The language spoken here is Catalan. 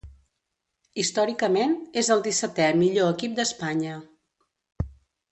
Històricament, és el dissetè millor equip d'Espanya.